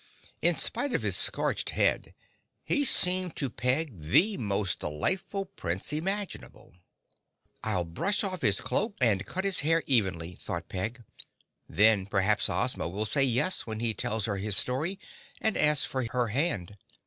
In spite of his scorched head, he seemed to Peg the most delightful Prince imaginable. [Illustration: (unlabelled)] "I'll brush off his cloak and cut his hair all evenly," thought Peg. "Then, perhaps Ozma will say yes when he tells her his story and asks for her hand.